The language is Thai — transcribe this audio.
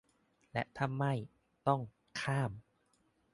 และถ้าไม่ "ต้อง" ข้าม